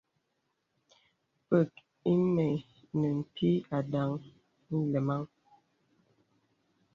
Pə̀k ìmə̀ ne pìì àdaŋ nlɛmaŋ.